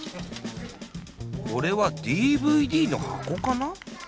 これはＤＶＤのはこかな？